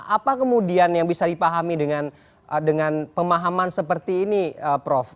apa kemudian yang bisa dipahami dengan pemahaman seperti ini prof